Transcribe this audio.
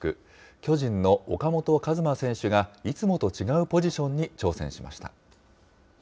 巨人の岡本和真選手が、いつもと違うポジションに挑戦しました。